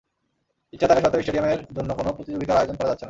ইচ্ছা থাকা সত্ত্বেও স্টেডিয়ামের জন্য কোনো প্রতিযোগিতার আয়োজন করা যাচ্ছে না।